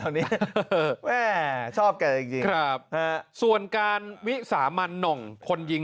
ตอนนี้แม่ชอบกันจริงจริงครับฮะส่วนการวิสามันหน่องคนยิง